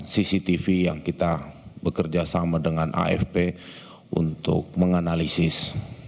tiga puluh delapan cctv yang kita bekerjasama dengan afp untuk menganalisis